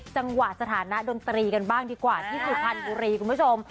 สถานะดนตรีกันบ้างดีกว่าที่สุพรรณบุรีคุณผู้ชม